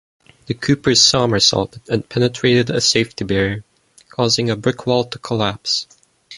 The Cooper somersaulted and penetrated a safety barrier, causing a brick wall to collapse.